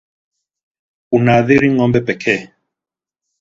Unaathiri ng'ombe pekee